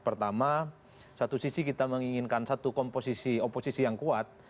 pertama satu sisi kita menginginkan satu komposisi oposisi yang kuat